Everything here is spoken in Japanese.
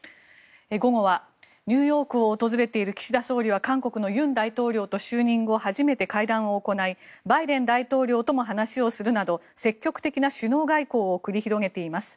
午後はニューヨークを訪れている岸田総理は韓国の尹大統領と就任後初めて会談を行いバイデン大統領とも話をするなど積極的な首脳外交を繰り広げています。